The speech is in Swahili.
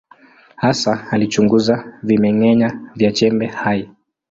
Hasa alichunguza vimeng’enya vya chembe hai.